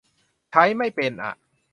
ใช้ไม่เป็นอ่ะ